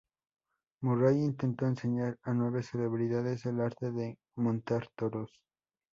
Murray intentó enseñar a nueve celebridades el arte de montar toros.